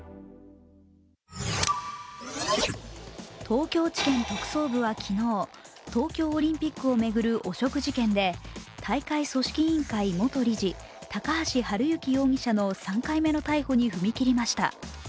東京地検特捜部は昨日、東京オリンピックを巡る汚職事件で、大会組織委員会元理事高橋治之容疑者の３回目の逮捕に踏み切りました。